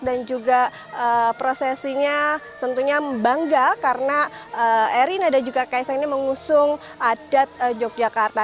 dan juga prosesinya tentunya membangga karena erlina dan juga ksen mengusung adat yogyakarta